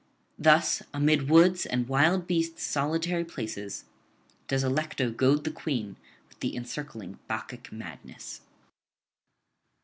Thus, amid woods and wild beasts' solitary places, does Allecto goad the queen with the encircling Bacchic madness.